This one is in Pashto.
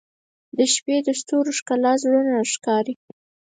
• د شپې د ستورو ښکلا زړونه راښکاري.